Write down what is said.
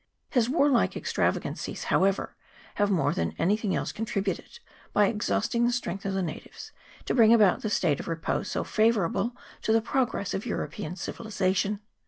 His warlike extravagancies, however, have more than anything else contributed, by exhausting the strength of the natives, to bring about that state of repose so favourable to the progress of European civilization.